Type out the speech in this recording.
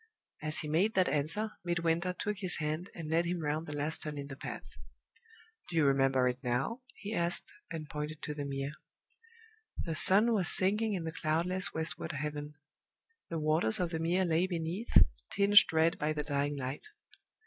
As he made that answer, Midwinter took his hand, and led him round the last turn in the path. "Do you remember it now?" he asked, and pointed to the Mere. The sun was sinking in the cloudless westward heaven. The waters of the Mere lay beneath, tinged red by the dying light.